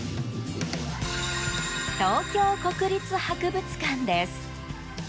東京国立博物館です。